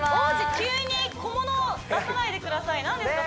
急に小物出さないでください何ですか？